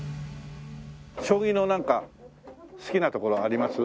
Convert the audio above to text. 将棋のなんか好きなところあります？